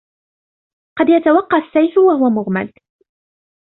قد يتوقى السيف وهو مغمد